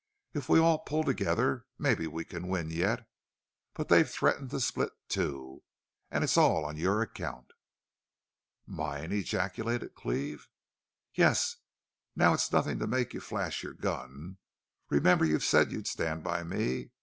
If we all pull together maybe we can win yet. But they've threatened to split, too. And it's all on your account!" "Mine?" ejaculated Cleve. "Yes. Now it's nothing to make you flash your gun. Remember you said you'd stand by me....